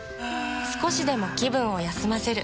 少しでも気分を休ませる。